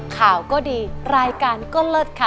ข่าวก็ดีรายการก็เลิศค่ะ